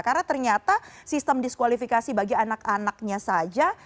karena ternyata sistem diskualifikasi bagi anak anaknya saja